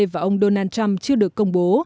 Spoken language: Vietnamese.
và ông donald trump chưa được công bố